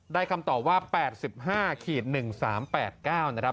คำตอบว่า๘๕๑๓๘๙นะครับ